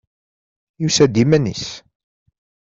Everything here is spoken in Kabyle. Yusa-d iman-is.